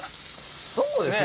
そうですね。